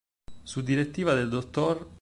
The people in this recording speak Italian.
Su direttiva del dott.